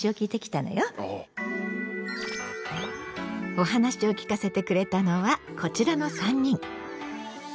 お話を聞かせてくれたのはこちらの３人。